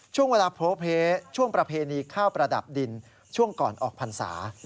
ช่วงเวลาโพลเพช่วงประเพณีข้าวประดับดินช่วงก่อนออกพรรษา